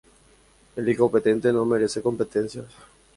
el incompetente no merece competencias...